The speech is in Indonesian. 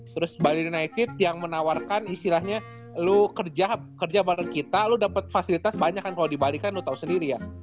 terus bali united yang menawarkan istilahnya lu kerja bareng kita lu dapet fasilitas banyak kan kalo di bali kan lu tau sendiri ya